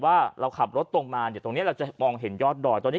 ว่าเราขับรถตรงมาเนี่ยตรงนี้เราจะมองเห็นยอดดอยตอนนี้